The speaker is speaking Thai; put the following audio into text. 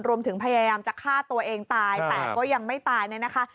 รวมถึงพยายามจะฆ่าตัวเองตายแต่ก็ยังไม่ตายเนี่ยนะคะ